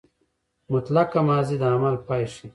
مطلقه ماضي د عمل پای ښيي.